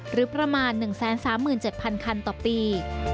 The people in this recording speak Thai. หรือประมาณ๑๓๗๐๐คันต่อปี